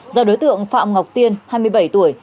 do đối tượng phạm ngọc tiên hai mươi bảy tuổi